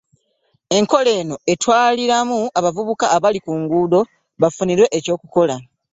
Enkola eno etwaliramu abavubuka abali ku nguudo bafunirwe eky'okukola.